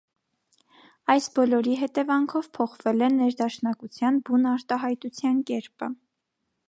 Այս բոլորի հետեանքով փոխվել է ներդաշնակության բուն արտահայտության կերպը։